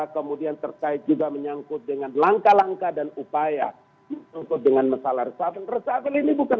kemudian terkait juga menyangkut dengan langkah langkah dan perubahan